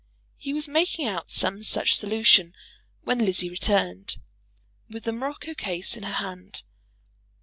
He was making out some such solution, when Lizzie returned with the morocco case in her hand.